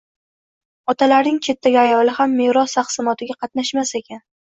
Otalarining chetdagi ayoli ham meros taqsimotiga qatnashmas ekan.